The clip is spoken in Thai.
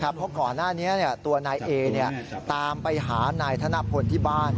เพราะก่อนหน้านี้ตัวนายเอตามไปหานายธนพลที่บ้าน